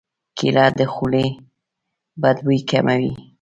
کېله د خولې بد بوی کموي.